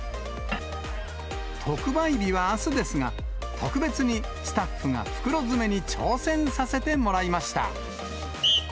特売日はあすですが、特別にスタッフが袋詰めに挑戦させてもらいました。